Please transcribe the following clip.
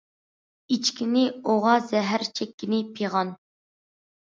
ئىچكىنى ئوغا، زەھەر، چەككىنى پىغان.